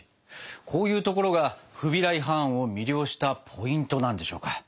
こういうところがフビライ・ハーンを魅了したポイントなんでしょうか。